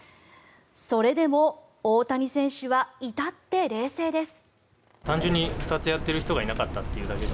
それでも大谷選手は至って冷静です。